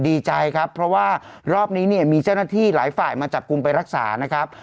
ดีใจครับเพราะว่ารอบนี้เนี่ยมีเจ้าหน้าที่หลายฝ่ายมาจับกลุ่มไปรักษานะครับ